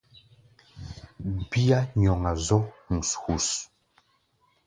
Bíá nyɔŋa zɔ̧́ hú̧s-hú̧s.